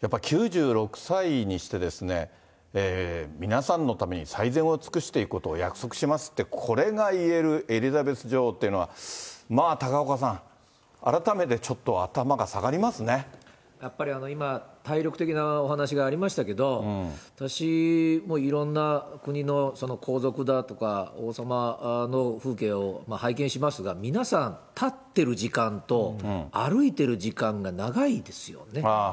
やっぱ９６歳にして、皆さんのために最善を尽くしていくことをお約束しますって、これが言えるエリザベス女王っていうのは、まあ高岡さん、やっぱり今、体力的なお話がありましたけど、私もいろんな国の皇族だとか王様の風景を拝見しますが、皆さん、立ってる時間と歩いてる時間が長いですよね。